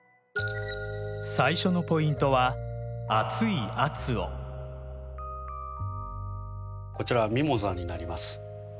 最初のポイントはこちらはミモザになります。